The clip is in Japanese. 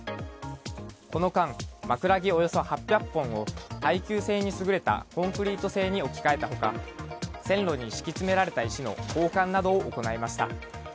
この間、枕木およそ８００本を耐久性に優れたコンクリート製に置き換えた他線路に敷き詰められた石の交換などを行いました。